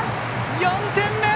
４点目！